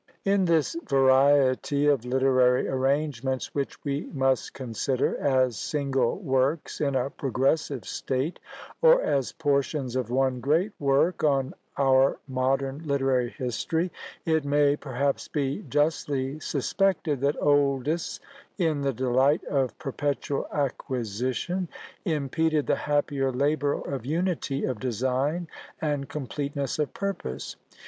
In this variety of literary arrangements, which we must consider as single works in a progressive state, or as portions of one great work on our modern literary history, it may, perhaps, be justly suspected that Oldys, in the delight of perpetual acquisition, impeded the happier labour of unity of design and completeness of purpose.